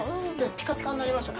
ピカピカになりましたね。